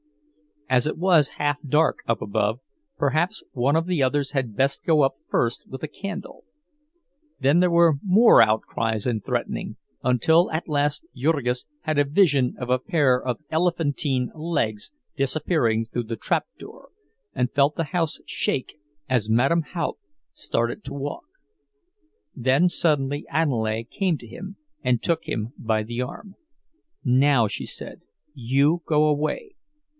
As it was half dark up above, perhaps one of the others had best go up first with a candle. Then there were more outcries and threatening, until at last Jurgis had a vision of a pair of elephantine legs disappearing through the trap door, and felt the house shake as Madame Haupt started to walk. Then suddenly Aniele came to him and took him by the arm. "Now," she said, "you go away.